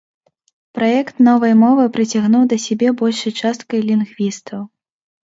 Праект новай мовы прыцягнуў да сябе большай часткай лінгвістаў.